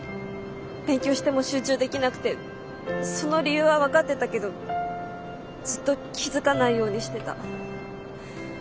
勉強しても集中できなくてその理由は分かってたけどずっと気付かないようにしてた。